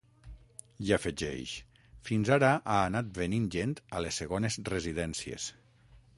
I afegeix: Fins ara ha anat venint gent a les segones residències.